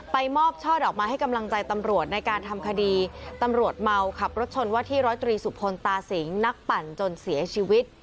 มอบช่อดอกไม้ให้กำลังใจตำรวจในการทำคดีตำรวจเมาขับรถชนว่าที่ร้อยตรีสุพลตาสิงนักปั่นจนเสียชีวิต